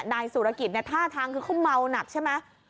นายสุรกิจเนี่ยท่าทางคือเขาเมาหนักใช่ไหม